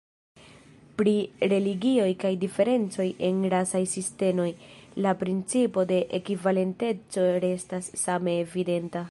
Pri religioj kaj diferencoj en rasaj sintenoj, la principo de ekvivalenteco restas same evidenta.